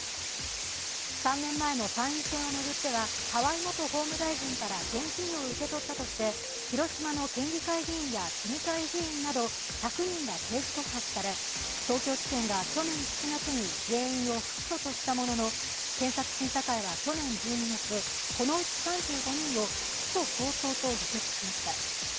３年前の参院選を巡っては河井元法務大臣から現金を受け取ったとして広島の県議会議員や市議会議員など１００人が刑事告発され東京地検が去年７月に全員を不起訴としたものの検察審査会は去年１２月このうち３５人を起訴相当と議決しました。